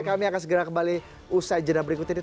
kami akan segera kembali usai jenam berikutnya